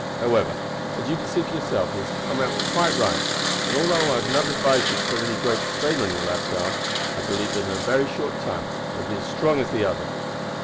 However, as you can see for yourself it has come out quite right; and although I should not advise you to put any great strain on your left arm, I believe that in a very short time it will be as strong as the other."